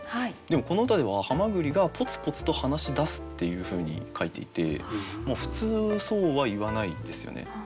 でもこの歌ではハマグリが「ぽつぽつと話し出す」っていうふうに書いていて普通そうはいわないですよね。